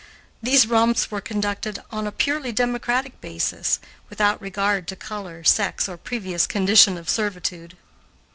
These romps were conducted on a purely democratic basis, without regard to color, sex, or previous condition of servitude.